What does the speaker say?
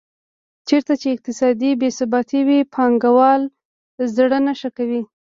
چېرته چې اقتصادي بې ثباتي وي پانګوال زړه نه ښه کوي.